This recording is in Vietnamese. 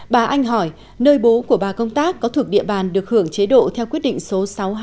bà anh hỏi nơi bố của bà công tác có thuộc địa bàn được hưởng chế độ theo quyết định số sáu trăm hai mươi